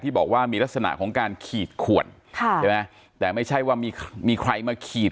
บอกว่ามีลักษณะของการขีดขวนค่ะใช่ไหมแต่ไม่ใช่ว่ามีมีใครมาขีด